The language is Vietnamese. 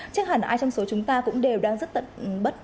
chắc hẳn ai trong số chúng ta cũng đều đang rất tận bất